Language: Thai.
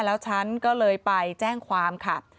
แล้วฉันก็เลยไปแจ้งความค่ะ